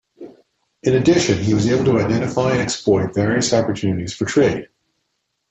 In addition he was able to identify and exploit various opportunities for trade.